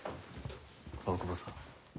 大久保さん。